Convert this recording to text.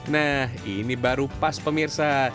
nah ini baru pas pemirsa